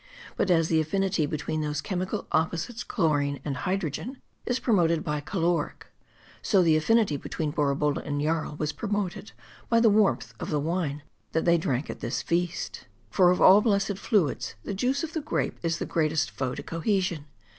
But as the affinity between those chemical opposites chlorine and hydrogen, is promoted by caloric ; so the affinity between Borabolla and Jarl was promoted by the warmth of the wine that they drank at this feast. For of all blessed fluids, the juice of the grape is the greatest foe to cohesion.